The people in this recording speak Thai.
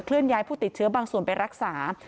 ย้ายผู้ติดเชื้อบางส่วนไปรักษา